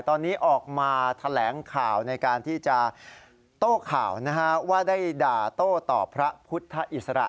ตอนนี้ออกมาแถลงข่าวในการที่จะโต้ข่าวนะฮะว่าได้ด่าโต้ต่อพระพุทธอิสระ